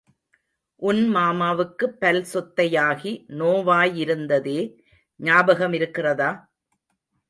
உன் மாமாவுக்குப் பல் சொத்தையாகி நோவாயிருந்ததே ஞாபகமிருக்கிறதா?